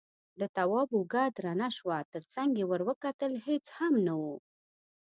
د تواب اوږه درنه شوه، تر څنګ يې ور وکتل، هېڅ هم نه و.